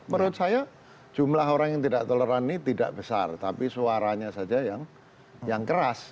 menurut saya jumlah orang yang tidak toleran ini tidak besar tapi suaranya saja yang keras